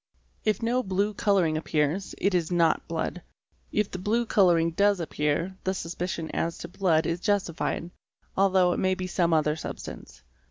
If no blue colouring appears, it is not blood; if the blue colouring does appear the suspicion as to blood is justified, although it may be some other substance.